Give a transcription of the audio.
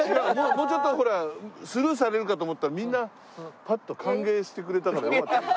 もうちょっとスルーされるかと思ったらみんなパッと歓迎してくれたからよかった。